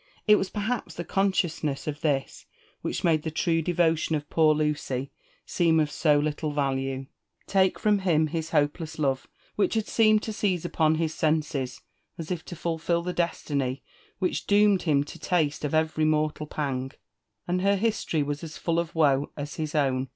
It was perhsps the conscious ness of this which made the true devotion of poor Lucy seem of so litlle value. Take from hlfn his hopeless love, which had seemed to seize upon hts senses as if to fulfil the destiny which doomed hina to taste of every mortal pang, ai^ her history was as fuTl of woe as his own.